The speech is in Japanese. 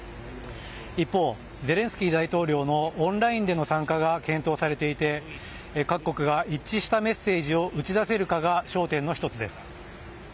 一方、ゼレンスキー大統領のオンラインでの参加が検討されていて、各国が一致したメッセージを打ち出せるかが焦点の一つです。